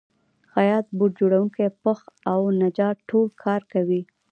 خیاط، بوټ جوړونکی، پښ او نجار ټول کار کوي